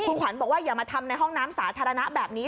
คุณขวัญบอกว่าอย่ามาทำในห้องน้ำสาธารณะแบบนี้